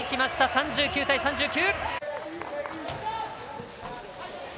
３９対３９。